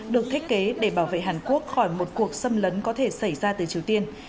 được thiết kế để bảo vệ hàn quốc khỏi một cuộc xâm lấn có thể xảy ra từ triều tiên